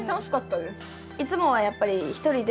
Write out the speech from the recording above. いつもはやっぱり一人で。